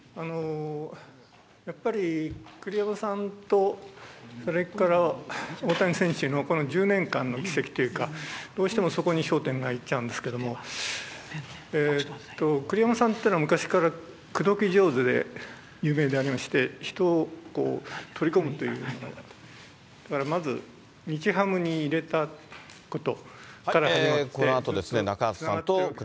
やっぱり栗山さんとそれから大谷選手のこの１０年間の軌跡というか、どうしてもそこに焦点がいっちゃうんですけども、栗山さんっていうのは昔から口説き上手で有名でありまして、人を取り込むというか、だからまず、日ハムに入れたこと。